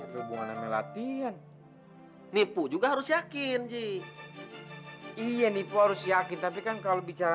hubungan sama latihan nipu juga harus yakin sih iya nipu harus yakin tapi kan kalau bicara